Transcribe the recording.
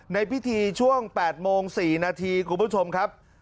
ในพิธีช่วง๘โมง๔นาทีคุณผู้ชมครับ